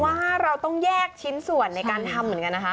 ว่าเราต้องแยกชิ้นส่วนในการทำเหมือนกันนะคะ